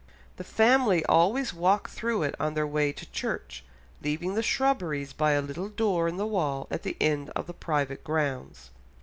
The family always walked through it on their way to church, leaving the shrubberies by a little door in the wall at the end of the private grounds."